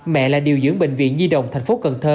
mẹ là điều dưỡng bệnh viện nhi đồng thành phố cần thơ